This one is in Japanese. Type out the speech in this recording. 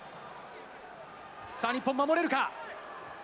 さあ、日本、守れるか？